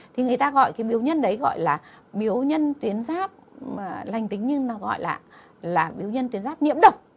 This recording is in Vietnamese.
thì người ta gọi cái biểu nhân đấy gọi là biểu nhân tuyến giáp lành tính nhưng mà gọi là biểu nhân tuyến giáp nhiễm độc